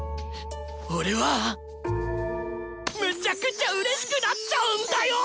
めちゃくちゃうれしくなっちゃうんだよぉ！